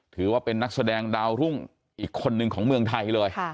ถือว่าเป็นนักแสดงดาวรุ่งอีกคนนึงของเมืองไทยเลย